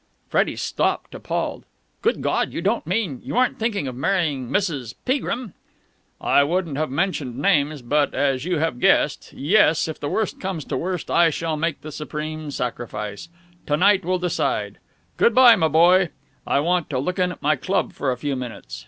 Freddie stopped, appalled. "Good God! You don't mean ... you aren't thinking of marrying Mrs. Peagrim!" "I wouldn't have mentioned names, but, as you have guessed.... Yes, if the worst comes to the worst, I shall make the supreme sacrifice. To night will decide. Good bye, my boy. I want to look in at my club for a few minutes.